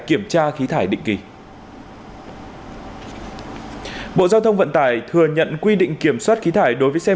kiểm tra khí thải định kỳ bộ giao thông vận tải thừa nhận quy định kiểm soát khí thải đối với xe